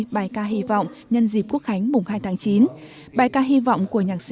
bài ca hy vọng nhân dịp quốc khánh mùng hai tháng chín bài ca hy vọng của nhạc sĩ